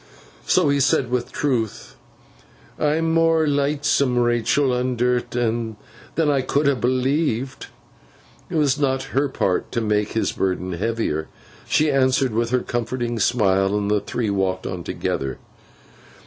So he said, with truth, 'I'm more leetsome, Rachael, under 't, than I could'n ha believed.' It was not her part to make his burden heavier. She answered with her comforting smile, and the three walked on together.